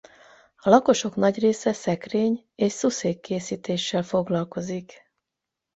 A lakosok nagy része szekrény- és szuszék-készítéssel foglalkozik.